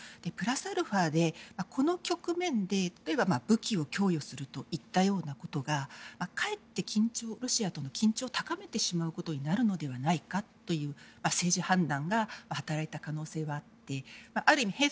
プラスアルファでこの局面で武器を供与するといったようなことがかえってロシアとの緊張を高めてしまうことになるのではないかという政治判断が働いた可能性はあってある意味